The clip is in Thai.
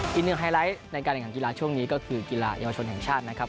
ไฮไลท์ในการแข่งขันกีฬาช่วงนี้ก็คือกีฬาเยาวชนแห่งชาตินะครับ